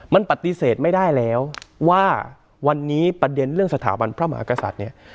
มันปฏิเสธไม่ได้แล้วว่าวันนี้ประเด็นเรื่องสถาบันพระมหากษัตริย์เนี่ย